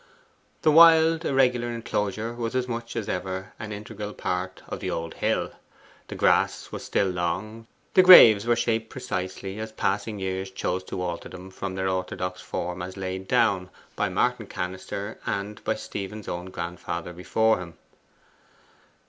The wild irregular enclosure was as much as ever an integral part of the old hill. The grass was still long, the graves were shaped precisely as passing years chose to alter them from their orthodox form as laid down by Martin Cannister, and by Stephen's own grandfather before him.